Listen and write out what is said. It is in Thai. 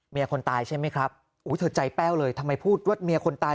คนตายใช่ไหมครับอุ้ยเธอใจแป้วเลยทำไมพูดว่าเมียคนตาย